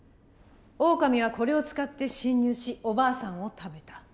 オオカミはこれを使って侵入しおばあさんを食べた。